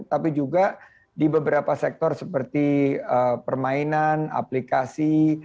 tapi juga di beberapa sektor seperti permainan aplikasi